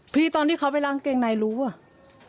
พี่ตอนที่เขาไปล้างเกงนายรู้หรือว่ะ